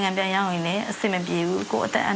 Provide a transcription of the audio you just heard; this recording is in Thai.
ท่านประธานครับนี่คือสิ่งที่สุดท้ายของท่านครับ